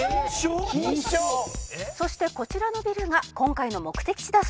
「そしてこちらのビルが今回の目的地だそうですが」